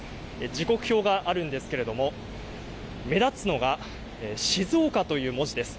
時刻表があるんですけれども目立つのが静岡という文字です。